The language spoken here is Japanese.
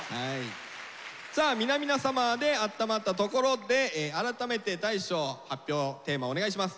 さあ「みなみなサマー」であったまったところで改めて大昇発表テーマお願いします。